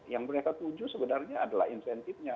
yang mereka tuju sebenarnya adalah insentifnya